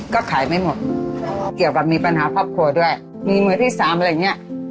ก็ขายไม่หมดเกี่ยวกับมีปัญหาครอบครัวด้วยมีมือที่สามอะไรอย่างเงี้ย